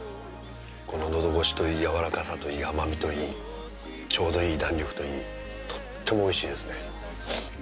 この喉越しといいやわらかさといい甘味といいちょうどいい弾力といいとってもおいしいですね。